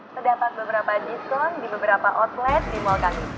bapak bapak tolongin saya saya baru aja ke cowopetan